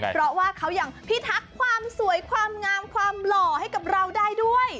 เพราะว่าเขายังพิทักษ์ความสวยความงามความหล่อให้กับเราได้ด้วย